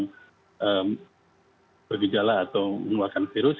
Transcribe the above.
yang bergejala atau mengeluarkan virus